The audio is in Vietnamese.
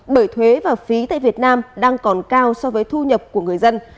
bởi thuế và phí tại việt nam đang còn cao so với thu nhập của người dân